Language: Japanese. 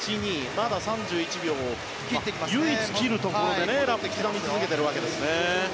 まだ３１秒を唯一切るところで、ラップを刻み続けているわけですね。